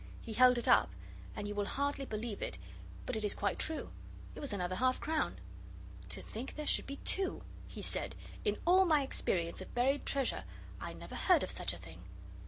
He held it up, and you will hardly believe it, but it is quite true it was another half crown! 'To think that there should be two!' he said; 'in all my experience of buried treasure I never heard of such a thing!